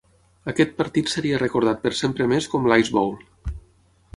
Aquest partit seria recordat per sempre més com l'"Ice Bowl".